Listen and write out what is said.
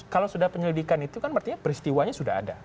kalau sudah penyelidikan itu kan berarti peristiwanya sudah ada